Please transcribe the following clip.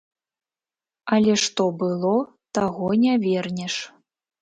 Але што было, таго не вернеш.